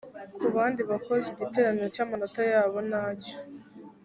ku bandi bakozi igiteranyo cy amanota yabo na cyo